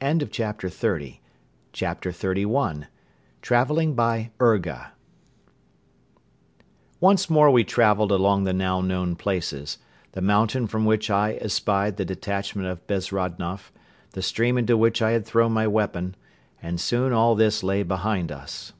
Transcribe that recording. CHAPTER XXXI TRAVELING BY "URGA" Once more we traveled along the now known places, the mountain from which I espied the detachment of Bezrodnoff, the stream into which I had thrown my weapon, and soon all this lay behind us.